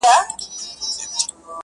چي نسونه ئې گوښي وي، نيتونه ئې گوښي وي.